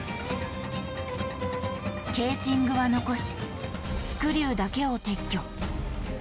ケーシングは残しスクリューだけを撤去。